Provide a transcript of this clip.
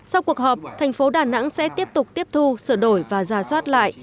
sau cuộc họp thành phố đà nẵng sẽ tiếp tục tiếp thu sửa đổi và giả soát lại